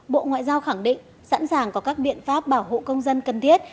bộ ngoại giao khẳng định sẵn sàng có các biện pháp bảo hộ công dân cần thiết